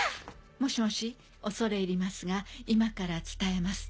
もしもし恐れ入りますが今から伝えます